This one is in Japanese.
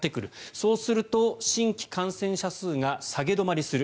そうすると、新規感染者数が下げ止まりする。